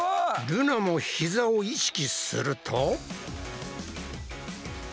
ルナもひざを意識すると。